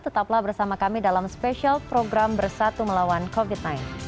tetaplah bersama kami dalam spesial program bersatu melawan covid sembilan belas